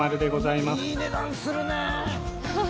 いい値段するね。